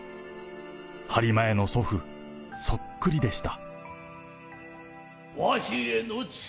播磨屋の祖父そっくりでした。